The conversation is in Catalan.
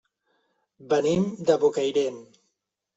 Venim de Bocairent.